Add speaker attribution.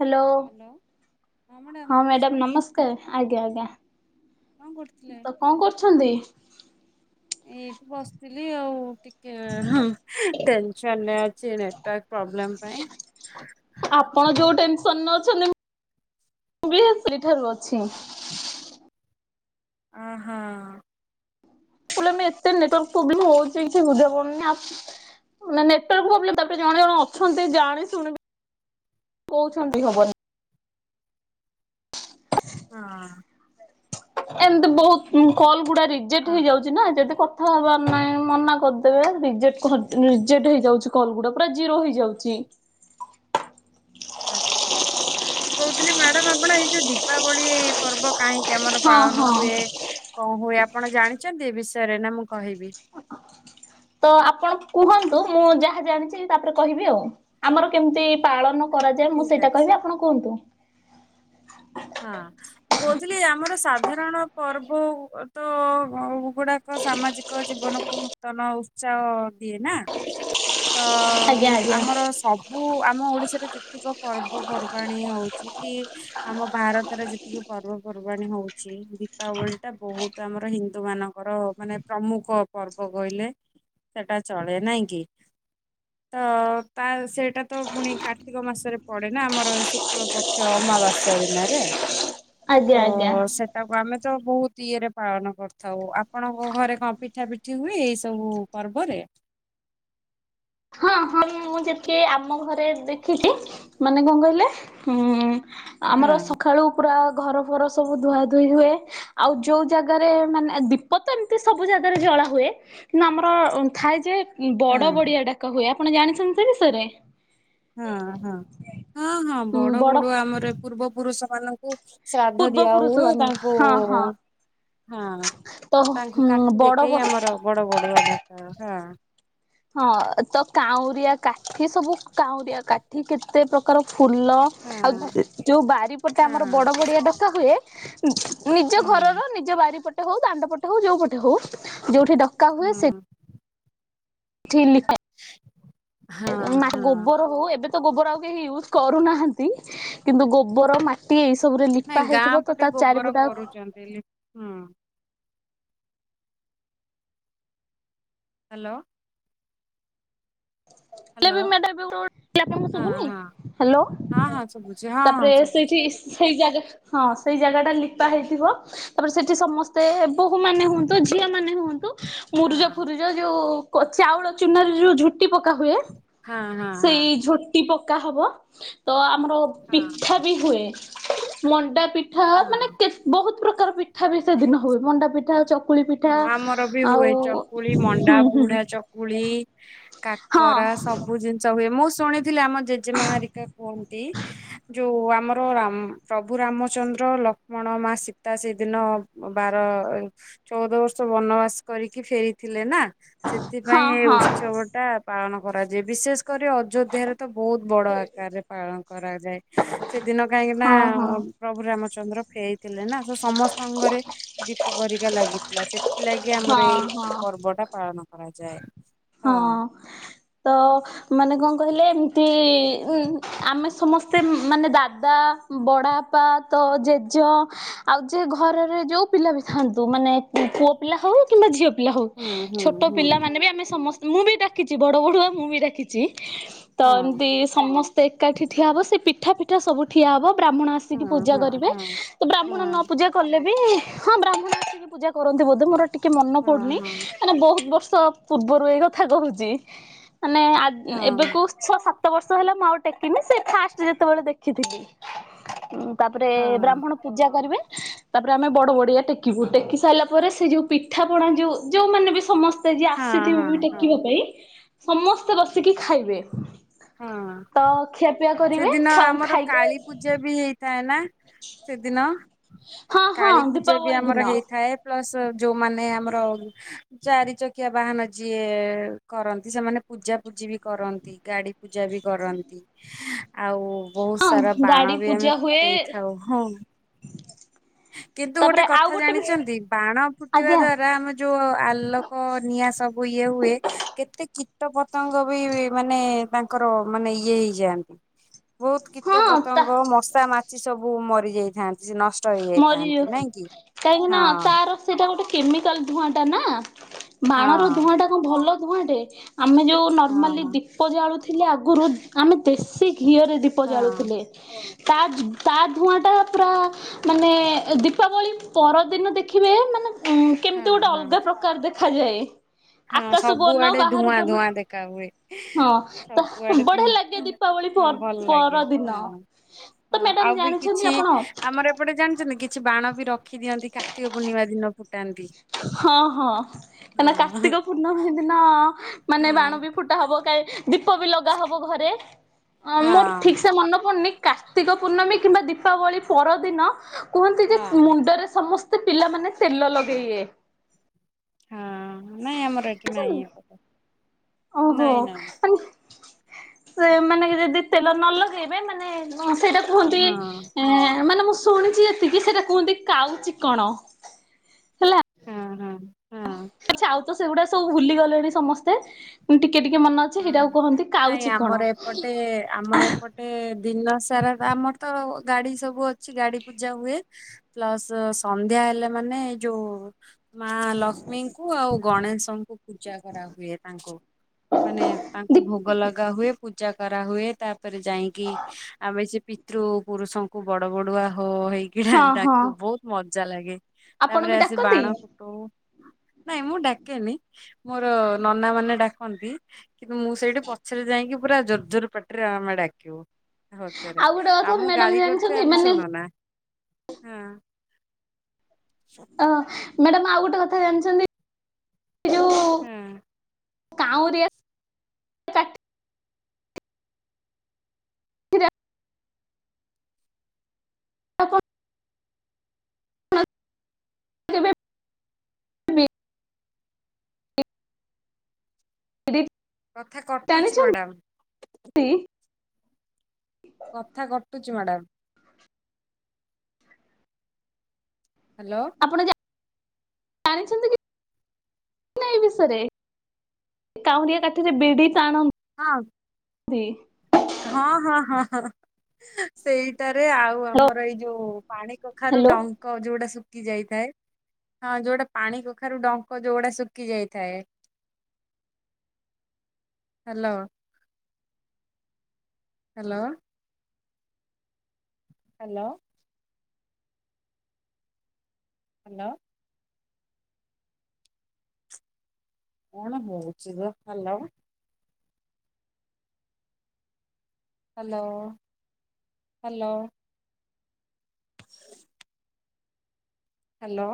Speaker 1: Hello,
Speaker 2: hello
Speaker 1: ହଁ madam ନମସ୍କାର। ଆଜ୍ଞା ଆଜ୍ଞା।
Speaker 2: କଣ କରୁଥିଲେ?
Speaker 1: ତ କଣ କରୁଛନ୍ତି?
Speaker 2: କେ ହଁ ଟେନସନ ରେ ଅଛି ନେଟୱର୍କ ପ୍ରୋବ୍ଲେମ ପାଇଁ
Speaker 1: ନଉଛନ୍ତି [unintelligible] ସେଇଠାରୁ ଅଛି [unintelligible]
Speaker 2: ଅ ହଁ ।
Speaker 1: କଲେ ମାନେ ଏତେ ନେଟୱର୍କ ପ୍ରୋବ୍ଲେମ ହଉଚି ଯେ ବୁଝା ପଡୁନି ଆ ମାନେ ନେଟାର୍କ ପ୍ରୋବ୍ଲେମ ତାପରେ ଜଣେ ଜଣ ଅଛନ୍ତି ଜାଣି ଶୁଣି କହୁଛନ୍ତି ହବନି।
Speaker 2: ହଁ।
Speaker 1: ଏମିତି ବହୁତ କଲ ଗୁଡା
Speaker 2: ଆ
Speaker 1: ରିଜେକ୍ଟ ହେଇଯାଉଚି ନା ଯଦି ହବାର ନାଇଁ ମନା କରିଦେବ। ରିଜେକ୍ଟ ହ ରିଯେକ୍ଟ ହେଇଯାଉଚି କଲ ଗୁଡା ପୁର ଜିରୋ ହେଇଯାଉଚି।
Speaker 2: ଆଚ୍ଛା ମୁଁ କହୁଥିଲି ମ୍ୟାଡାମ ଆପଣ ଏଇ ଯଉ ଦୀପାବଳି ପର୍ବ କାହିଁକି ଆମର
Speaker 1: ହଁ
Speaker 2: ପାଳନ
Speaker 1: ହଁ।
Speaker 2: ହୁଏ କଣ ହୁଏ। ଆ ଆପଣ ଜାଣିଚନ୍ତି ଏ ବିଷୟରେ ନା ମୁଁ କହିବି?
Speaker 1: ତ ଆପଣ କୁହନ୍ତୁ ମୁଁ ଯାହା ଜାଣିଚି, ତାପରେ କହିବି ଆଉ ଆମର କେମିତି ପାଳନ କରାଯାଏ ମୁଁ
Speaker 2: ଠିକ
Speaker 1: ସେଇଟା
Speaker 2: ଅଛି।
Speaker 1: କହିବି, ଆପଣ କୁହନ୍ତୁ।
Speaker 2: ହଁ ମୁଁ କହୁଥିଲି ଆମର ସାଧାରଣ ପର୍ବ ତ ଅ ଗୁଡାକ ସାମାଜିକ ଜୀବନକୁ ନୂତନ ଉତ୍ସାହ ଦିଏ ନା। ତ
Speaker 1: ଆଜ୍ଞା ଆଜ୍ଞା।
Speaker 2: ଆମର ସବୁ ଆମ ଓଡିଶାରେ ଯେ ପ୍ରତେକ ପର୍ବପର୍ବାଣୀ ହଉଚ କି ଆମ ଭାରତରେ ଯେତିକି ପର୍ବପର୍ବାଣ ହଉଚି ଦୀପାବଳି ଟା ବହୁତ ଆମର ହିନ୍ଦୁ ମାନଙ୍କର ମାନେ ପ୍ରମୁଖ ପର୍ବ କହିଲେ ସେଟା ଚଳେ ନାଁ କିି ତ ତା ସେଇଟା ତ ପୁଣି କାର୍ତ୍ତିକ ମାସରେ ପଡେ ନା ଆମର ଶୁକ୍ଳ ପକ୍ଷ ଅମାବାସ୍ୟା ଦିନରେ [unintelligible]
Speaker 1: ଆଜ୍ଞା
Speaker 2: ତ
Speaker 1: ଆଜ୍ଞା
Speaker 2: ସେଟାକୁ ଆମେ ତ ବୋହୁତ ଇଏରେ ପାଳନ କରିଥାଉ ଆପଣଙ୍କ ଘରେ କଣ ପିଠା ପିଠି ହୁଏ ଏଇ ସବୁ ପର୍ବରେ
Speaker 1: ହଁ ହଁ ମୁଁ ଯେତିକି ଆମ ଘରେ ଦେଖିଚି ମାନେ କଣ କହିଲେ ଉଁ
Speaker 2: ହଁ
Speaker 1: ଆମର ସକାଳୁ ପୁରା ଘର ଫର ସବୁ ଧୁଆ ଧୁୋଇ ହୁଏ ଆଉ ଯୋଉ ଜାଗାରେ ମାନେ ଦୀପ ତ ଏମିତି ସବୁ ଜାଗାରେ ଜଳା ହୁଏ ଆମର ଥାଏ ଯେ
Speaker 2: ହଁ
Speaker 1: ବଡ ବଡ଼ିଆ ଡା ଆପଣ ଜାଣିଛନ୍ତି ଏ ବିଷରେ
Speaker 2: ହଁ ହଁ ହଁ ହଁ ବଡ ବଡୁଆ ଆମର ପୂର୍ବ ପୁରୁଷ କରନ୍ତି ଶ୍ରାଦ୍ଧ
Speaker 1: ପୂର୍ବ
Speaker 2: ଦିଆ
Speaker 1: ପୁରୁଷ
Speaker 2: ହଏ
Speaker 1: ମାନଙ୍କୁ
Speaker 2: ତାଙ୍କୁ
Speaker 1: ହଁ ହଁ।
Speaker 2: ହଁ
Speaker 1: ତ
Speaker 2: ତାଙ୍କୁ
Speaker 1: ହୁଁ
Speaker 2: କାଠି
Speaker 1: ବଡ ବ
Speaker 2: ଦେଖେଇ ଆମର ବଡ ବଡୁଆ ଡାକ ହଁ
Speaker 1: ହଁ ତ କାଉଁରିଆ କାଠି ସବୁ କାଉଁରିଆ କାଠି କେତେ ପ୍ରକାର? ଫୁଲ ଆଉ ଯୋଉ ବାରିପଟେ
Speaker 2: ହଁ
Speaker 1: ଆମର ବଡ ବଡିଆ ଡକା ହୁଏ। [inaudible]
Speaker 2: ହଁ
Speaker 1: ନିଜ
Speaker 2: ହଁ
Speaker 1: ଘରର ନିଜ ବାରି ପ ଟ ହୋଉ ଦାଣ୍ଡ ପଟେ ହୋଉ ଯୋଉ ପଟେ ହୋଉ ଯୋଉଠି ଡକା
Speaker 2: ହଁ
Speaker 1: ଖିଲିକା
Speaker 2: ହଁ
Speaker 1: ମା
Speaker 2: ହଁ
Speaker 1: ଗୋବରୁ ଏବେ ଗୋବର ଆଉ କେହି ଇଉଜୁ କରୁ ନାହାନ୍ତି କିନ୍ତୁ ଗୋବର ମାଟି ଏଇ ସବୁ
Speaker 2: ନାଇଁ ଗାଁ ପଟେ ଗୋବର କରୁଚନ୍ତି ହୁଁ ହଲୋ
Speaker 1: [unintelligible]
Speaker 2: ହ୍ୟାଲୋ
Speaker 1: ଆପଣଙ୍କୁ
Speaker 2: ହଁ
Speaker 1: ସୁବୁଦ୍ଧି
Speaker 2: ହଁ
Speaker 1: ହାଲୋ
Speaker 2: ହଁ ହଁ ଶୁଭୁଛି ହଁ ହଁ
Speaker 1: ତାପରେ
Speaker 2: ଶୁଭୁଛି
Speaker 1: ସେଇଠି ସେଇ ଜାଗା ହଁ ସେଇ ଜାଗା ଟା ଲିପା ହେଇଥିବ ତାପରେ ସେଠି ସମସ୍ତେ ବୋହୂ ମାନ ହୁଅନ୍ତୁ ଝିଅ ମାନେ ହୁଅନ୍ତୁ
Speaker 2: ହଁ
Speaker 1: ମୁରୁଜ ଫୁରୁଜ ଯୋଉ କୋ ଚାଉଳ ଚୁନ ରେ ଯୋଉ ଝୁଟି ପକା ହୁଏ
Speaker 2: ହଁ ହଁ ହଁ
Speaker 1: ସେଇ ଝୋଟି ପ କା ହବ ତ ଆମର
Speaker 2: ହଁ
Speaker 1: ପିଠା ବି ହୁଏ ମଣ୍ଡା ପିଠ ପି ଠା
Speaker 2: ହଁ
Speaker 1: ମାନେକେ ତେ ବହୁତ ସୁବୁ ପ୍ରକାର ପିଠା ବି ସେଦିନ ବିହୁଏ ମଣ୍ଡା ପିଠାଉ ଚ
Speaker 2: ହଁ ଆମର ବି ହୁଏ ଚକୁଳି ମଣ୍ଡା
Speaker 1: ହୁଁ ହୁଁ
Speaker 2: ବୁଢା ଚକୁଳି
Speaker 1: ହଁ
Speaker 2: କାକରା ସବୁ ଜିନିଷ ହୁଏ ମୋସ୍ ଶୁଣିଥିଲେ ଆମ ଜେଜେମା ହେରିକା କୁହନ୍ତି ଯୋଉ ଆମର ରାମ ପ୍ରଭୁ ରାମଚନ୍ଦ୍ର ଲକ୍ଷ୍ମଣ ମା ସୀତା ସେଦିନ ବାର ଚଉଦ ବର୍ଷ ବନବାସ କରିକି ଫେରିଥିଲେ ନା।
Speaker 1: ହଁ
Speaker 2: ସେଥିପାଇଁ ଏ
Speaker 1: ହଁ
Speaker 2: ଉତ୍ସବ ଟା ପାଳନ କରାଯି ବିଶେଷ କରି ଅଯୋଧ୍ୟାରେ ତ ବହୁତ ବଡ ଆକାରରେ ପାଳନ କରାଯାଏ ସେଦିନ କାହିଁକିନା
Speaker 1: ହଁ ହଁ
Speaker 2: ପ୍ରଭୁ ରାମ ଚନ୍ଦ୍ର ଫେଇଥିଲେ ନା ସେ ସମସ୍ତଙ୍କରେ ଦୀପ ହେରିକା ଲାଗି ହେଲା ସେ ଥିଲାଗି ଆମର
Speaker 1: ହଁ
Speaker 2: ଏଇ
Speaker 1: ହଁ
Speaker 2: ପର୍ବ ଟା ପାଳନ କରାଯା ଯାଏ
Speaker 1: ହଁ ତ ମାନେ କଣ କହିଲେ ଏମିତି ଉଁ ଆମେ ସମସ୍ତେ ମାନେ ଦାଦା ବଡ଼ବାପା ତ ଜେଜା ଆଉ ଯୋ ଘରରେ ଯେଉଁ ପିଲା ବି ଥାଆନ୍ତୁ ମାନେ ପୁଅ ପିଲା ହଉ କିମ୍ବା ଝିଅ ପିଲା ହଉ
Speaker 2: ହୁଁ ହୁଁ
Speaker 1: ଛୋଟ
Speaker 2: ହୁଁ
Speaker 1: ପିଲାମାନେ ବି ଆମେ ସମସ୍ତେ ମୁଁ ବି ଡାକିଛି ବଡ ବଡୁଆ ମୁଁ ବି ଡାକିଛି। ତ
Speaker 2: ହଁ
Speaker 1: ଏମତି ସମସ୍ତେ ଏକାଠି ଠିଆ ହବ ସେ ପିଠା ପି ତ ସବୁ ଠିଆ ହବ ବ୍ରାହ୍ମଣ
Speaker 2: ହଁ
Speaker 1: ଆସିକି ପୂଜା
Speaker 2: ହଁ
Speaker 1: କରିବେ
Speaker 2: ହଁ
Speaker 1: ତ
Speaker 2: ହଁ
Speaker 1: ବ୍ରାହ୍ମଣ ନ ପୂଜା କଲେ ବି ହଁ ବ୍ରାହ୍ମଣ ଆସିକି ପୂଜା କରନ୍ତି ବୋଧେ ମୋର ଟିକେ ମନେ
Speaker 2: ହଁ
Speaker 1: ପଡୁନି
Speaker 2: ହଁ
Speaker 1: ମାନେ ବହୁତ ବର୍ଷ ସ [unintelligible] ପୂର୍ବରୁ ଏଇ [unintelligible] ମାନେ ନା
Speaker 2: ହଁ
Speaker 1: ଏବେକୁ ଛଅ ସାତ ସାତ ବର୍ଷ ହେଲା ମୁଁ ଆଉ ଟେକିନି ସେ ଫାଷ୍ଟ ଯେତେବେଳେ ଦେଖିଥିଲି ଉ ତାପରେ
Speaker 2: ହଁ
Speaker 1: ବ୍ରାହ୍ମଣ ପୂଜା କରିବେ। ତାପରେ ଆମେ ବଡ ବଡିଆ ଟେକିବୁ ଟେକି ସାରିଲା ପରେ ସେ ଯୋଉ ପିଠା ପଣା ଯୋଉ ଯୋଉମାନେ ବି ସମସ୍ତେ ସ୍ତେ ଯା
Speaker 2: ହଁ
Speaker 1: ସେଥି
Speaker 2: ହଁ
Speaker 1: ଉମ
Speaker 2: ହଁ
Speaker 1: ଟେକିବା ପାଇଁ ସମସ୍ତେ ବସିକି ଖାଇବେ।
Speaker 2: ହଁ
Speaker 1: ତ ଖିଆପିଆ କରିବେ
Speaker 2: ସେଦିନ ଆମର
Speaker 1: ଖାଇକି
Speaker 2: କାଳୀ ପୂଜା ବି ହେଇଥାଏ ନା। ସେଦିନ
Speaker 1: ହଁ ହଁ
Speaker 2: କାଳୀ ପୂଜା ବି
Speaker 1: ଦୀପାବଳି
Speaker 2: ଆମର
Speaker 1: ଦିନ
Speaker 2: ହେଇଥାଏ ତ ପ୍ଲସ୍ ଯୋଉମାନେ ଆମର ଚାରି ଚକିଆ ବାହାନ ଯିଏ କରନ୍ତି ସେମାନେ ପୂଜାପୂଜି ବି କରନ୍ତି ଗାଡି ପୂଜା ବି କରନ୍ତି। ଆଉ ବହୁତ
Speaker 1: ହଁ
Speaker 2: ସାରା ବାଣ
Speaker 1: ଗାଡି
Speaker 2: ବି ଆମେ
Speaker 1: ପୂଜା ହୁଏ
Speaker 2: ଫୁଟେଇଥାଉ ହଁ। କିନ୍ତୁ ଗୋଟେ
Speaker 1: ତାପରେ ଆଉ
Speaker 2: କଥା
Speaker 1: ଗୋଟେ ବି
Speaker 2: ଜାଣିଛନ୍ତି ବାଣ ଫୁଟିବା
Speaker 1: ଆଜ୍ଞା
Speaker 2: ଦ୍ଵାରା ଆମ ଯୋଉ ଆଲୋକ ନିଆଁ ସବୁ ଇଏ ହୁଏ କେତେ କୀ କୀଟ ପତଙ୍ଗ ବି ମାନେ ତାଙ୍କର ମାନେ ଇଏ ହେଇଯାଆନ୍ତି। ବହୁତ କୀଟ
Speaker 1: ହଁ ତା
Speaker 2: ପତଙ୍ଗ ମଶା ମାଛି ସବୁ ବୁ ମରିଯାଇଥାନ୍ତି ସେ ନ
Speaker 1: ମରିଯାଉଚି କାହିଁକି ନା
Speaker 2: ହଁ
Speaker 1: ତାର ସେଇଟା ଗୋଟେ କେମିକାଲ ଧୁଆଁଟା ନା। ବାଣର
Speaker 2: ହଁ
Speaker 1: ଧୂଆଁ ଟା କଣ ଭଲ ଧୂଆଁ ଟେ ଆମେ ଯୋଉ
Speaker 2: ହଁ
Speaker 1: ନର୍ମାଲି ଦୀପ ଜାଳୁ ଥିଲେ ଆଗରୁ ଆମେ ଦେଶୀ ଘିଅରେ ଦୀପ
Speaker 2: ହଁ।
Speaker 1: ଜାଳୁଥିଲେ। ତା ତା ଧୂଆଁ ଟା ପୁରା ମାନେ ଦୀପାବଳୀ ପରଦିନ ଦେଖିବେ ମାନେ ଉଁ କେମିତି
Speaker 2: ହଁ
Speaker 1: ଗୋଟେ
Speaker 2: ହଁ
Speaker 1: ଅଲଗା ପ୍ରକାର ଦେଖାଯାଏ।
Speaker 2: ହଁ
Speaker 1: ଆକାଶକୁ ଅନାଅ
Speaker 2: ସବୁଆଡେ
Speaker 1: ବାହାରକୁ
Speaker 2: ଧୂଆଁ
Speaker 1: ଅନାଅ।
Speaker 2: ଧୂଆଁ ଦେଖା ହୁଏ
Speaker 1: ହଁ ତ
Speaker 2: ସବୁଆଡେ
Speaker 1: ବଢିଆ
Speaker 2: ଧୂ
Speaker 1: ଲାଗେ ଦୀପାବଳି
Speaker 2: ହଁ ଭଲ ଲାଗେ
Speaker 1: ପରଦିନ।
Speaker 2: ହଁ ହଁ
Speaker 1: ତ
Speaker 2: ହଁ
Speaker 1: ମ୍ୟାଡାମ
Speaker 2: ଆଉ ବି କିଛି
Speaker 1: ଜାଣିଛନ୍ତି ଆପଣ?
Speaker 2: ଆମର ଏପଟେ ଜାଣିଛନ୍ତି କିଛି ବାଣ ବି ରଖି ଦିଅନ୍ତି କାର୍ତ୍ତିକ ପୂର୍ଣ୍ଣିମା ଦିନକୁ।
Speaker 1: ହଁ ହଁ
Speaker 2: ହଁ
Speaker 1: କାହିଁକି ନାଁ କାର୍ତ୍ତିକ ପୂର୍ଣ୍ଣମୀ ଦିନ ମାନେ
Speaker 2: ହଁ
Speaker 1: ବାଣ ବି ଫୁଟା ହବ କାଳେ ଦୀପ ବି ଲଗା ହବ ଘରେ ଅଁ
Speaker 2: ହଁ
Speaker 1: ମୋର ଠିକ ସେ ମନେ ପଡୁନି କାର୍ତ୍ତିକ ପୂର୍ଣ୍ଣମୀ କିମ୍ବା ଦୀପାବଳୀ ପରଦିନ କୁହନ୍ତି ଯେ
Speaker 2: ହଁ
Speaker 1: ମୁଣ୍ଡରେ ସମସ୍ ସେ ପିଲାମାନେ ତେଲ ଲଗେଇଵେ।
Speaker 2: ହଁ ନାଇଁ ଆମର ଏଠି ନାଇଁ
Speaker 1: [inaudible]
Speaker 2: ଏପଟେ।
Speaker 1: ଓହୋ
Speaker 2: ନାଇଁ ନାଇଁ।
Speaker 1: ମାନେ ସେମାନେ କି ଯଦି ତେଲ ନ ଲଗେଇବେ ମାନେ ସେଇଟା କୁହନ୍ତି
Speaker 2: ହଁ
Speaker 1: ମାନେ ମୁଁ ଶୁ ଶୁଣିଚି ଏତିକି ସେଇଟା କୁହନ୍ତି କାଉ ଚିକଣ ହେଲା।
Speaker 2: ହଁ ହଁ ହୁଁ।
Speaker 1: ଆଚ୍ଛା ଆଉ ତ ସେଗୁଡା ସବୁ ଭୁଲି ଗଲେଣି ସମସ୍ତେ ମୁଁ ଟି
Speaker 2: ହଁ ହଁ ନାଇଁ ଆମର ଏପଟେ ଆମର ଏପଟେ ଦିନ ସାରା ଆମର ତ ଗାଡି ସବୁ ଅଛି ଗାଡି ପୂଜା ହୁଏ ପ୍ଲସ ସନ୍ଧ୍ୟା ହେଲେ ମାନେ ଯୋଉ ମାଲକ୍ଷ୍ମୀଙ୍କୁ ଆଉ ଗଣେଶଙ୍କୁ ପୂଜା କରାହୁଏ ତାଙ୍କୁ। ମାନେ ତାଙ୍କୁ
Speaker 1: ଦି
Speaker 2: ଭୋଗ ଲଗା ହୁଏ ପୂଜା କରା ହୁଏ ତା ପରେ ଯାଇଁକି ଆମେ ସେ ପି ତ୍ରୁ ପୁରୁଷଙ୍କୁ ବଡ ବଡୁଆ। ହୋ ହେଇକିନା
Speaker 1: ହଁ ହଁ
Speaker 2: ଡାକୁ ବହୁତ ମ ଚାଲାଗେ।
Speaker 1: ଆପଣ
Speaker 2: ତାପରେ
Speaker 1: ବି
Speaker 2: ଆସି
Speaker 1: ଡାକନ୍ତି?
Speaker 2: ବାଣ ଫୁଟଉ, ନାଇଁ ମୁଁ ଡାକେନି। ମୋର ନନା ମାନେ ଡାକନ୍ତି। କିନ୍ତୁ ମୁଁ ସେଇଠି ପଛରେ ଯାଇକି ପୁରା ଜୋର ଜୋର ପାଟିରେ ଆମେ ଡାକିବୁ। ହଉତରେ
Speaker 1: ଆଉ ଗୋଟେ କଥା
Speaker 2: ଆମୁକୁ
Speaker 1: ମ୍ୟାଡାମ
Speaker 2: ଗାଳି କରୁଥିବେ
Speaker 1: ଜାଣିଛନ୍ତି
Speaker 2: ଆମେ
Speaker 1: ମାନେ
Speaker 2: ଶୁଣୁନା। ହୁଁ।
Speaker 1: ଅଁ ମ୍ୟାଡାମ ଆଉ ଗୋଟେ କଥା ଜାଣିଚନ୍ତି। ଯୁ
Speaker 2: ହେଁ।
Speaker 1: କାଉଁରିଆକ କା [unintelligible] [unintelligible] [unintelligible] [unintelligible]
Speaker 2: କଥା କଟୁଛି
Speaker 1: ଜାଣିଛ
Speaker 2: ମ୍ୟାଡାମ
Speaker 1: ନ୍ତି।
Speaker 2: କଥା କଟୁଚି ମାଡାମ। ହାଲୋ।
Speaker 1: ଆଣିଛନ୍ତି କି ନାଇଁ ବିଷୟରେ କାଉଁରିଆ କାଠିରେ ବିଡି ଟାଣ
Speaker 2: ହଁ।
Speaker 1: [unintelligible]
Speaker 2: ହଁ ହଁ ହଁ ହ ସେଇ। ତରେ ଆଉ
Speaker 1: ହ୍ୟାଲୋ
Speaker 2: ଆମର ଏଇ ଯୋଉ ପାଣି କଖାରୁ
Speaker 1: ହ୍ୟାଲୋ।
Speaker 2: ଡଙ୍କ ଯୋଉଟା ସବୁ କି ଯାଇଥାଏ ହଁ ଯୋଉଟା ପାଣି କଖାରୁ ଡଙ୍କ ଯୋଉଗୁଡା ଶୁକି ଯାଇଥାଏ। ହଲୋ। ହାଲୋ। ହାଲୋ। ହାଲୋ। କଣ ହଉଛି ଲୋ ହାଲୋ। Hello hello. [inaudible] ହାଲୋ